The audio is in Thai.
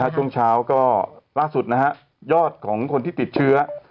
ช่วงเช้าก็ล่าสุดนะฮะยอดของคนที่ติดเชื้อ